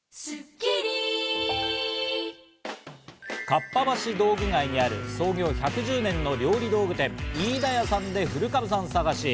かっぱ橋道具街にある創業１１０年の料理道具店・飯田屋さんで古株さん探し。